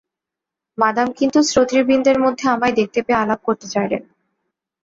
Madame কিন্তু শ্রোতৃবৃন্দের মধ্যে আমায় দেখতে পেয়ে আলাপ করতে চাইলেন।